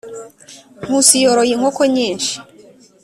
nkusi yoroye inkoko nyinshi